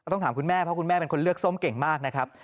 ต้องถามคุณแม่เพราะคุณแม่เป็นคนเลือกส้มเก่งมากนะครับ